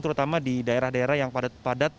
terutama di daerah daerah yang padat padat